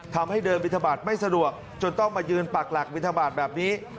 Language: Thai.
ทำให้เดินวิทยาบาลไม่สะดวกจนต้องมายืนปากหลักศึกษาวิทยาบาลแบบนี้